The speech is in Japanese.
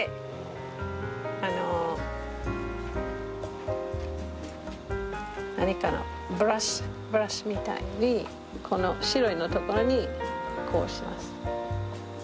あの何かのブラシみたいのにこの白いの所にこうします。